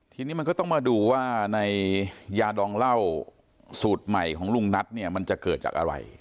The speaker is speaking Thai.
ทีนี้มันก็ต้องมาดูว่าในยาดองเหล้าสูตรใหม่ของลุงนัทเนี่ยมันจะเกิดจากอะไร